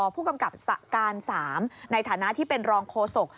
ผู้กำกับการ๓ในฐานะที่เป็นรองโฆษก